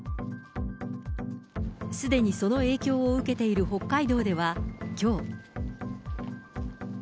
すでにその影響を受けている北海道では、きょう。